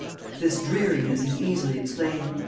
This dreariness is easily explained.